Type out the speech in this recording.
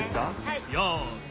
よし！